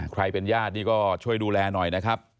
ใครเป็นญาตินี่ก็ช่วยดูแลหน่อยนะครับ